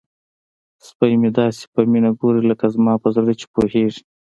سپی مې داسې په مینه ګوري لکه زما په زړه پوهیږي.